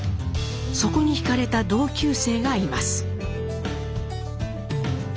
そこに惹かれた同級生がいます。